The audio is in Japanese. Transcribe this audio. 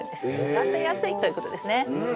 育てやすいということですね。